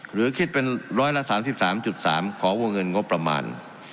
หรือคิดเป็นร้อยละ๓๓ของวงเงินงบประมาณ